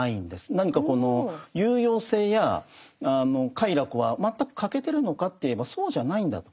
何かこの有用性や快楽は全く欠けてるのかといえばそうじゃないんだと。